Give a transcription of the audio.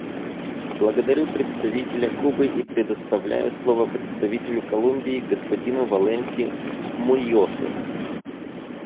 Благодарю представителя Кубы и предоставляю слово представителю Колумбии господину Валенсии Муньосу.